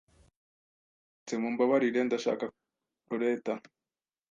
Mwaramutse. Mumbabarire, ndashaka Loreta.